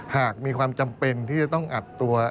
หากมีความจำเป็นที่จะต้องอัดตัว